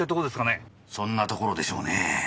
そんなところでしょうねぇ。